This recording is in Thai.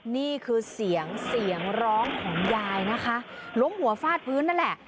นี่คือเสียงเสียงร้องของยายนะคะล้มหัวฟาดพื้นนั่นแหละ